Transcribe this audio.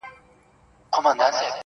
زه به ستا هېره که په یاد یم٫